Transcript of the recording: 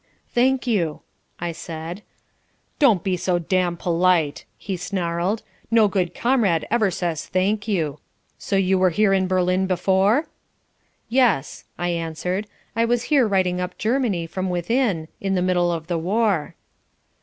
"Thank you," I said. "Don't be so damn polite," he snarled. "No good comrade ever says 'thank you.' So you were here in Berlin before?" "Yes," I answered, "I was here writing up Germany from Within in the middle of the war."